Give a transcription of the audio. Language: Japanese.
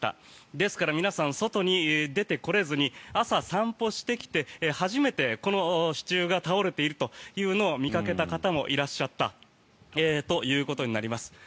ですから皆さん外に出てこれずに朝、散歩してきて初めてこの支柱が倒れているというのを見かけた方もいらっしゃったということになります。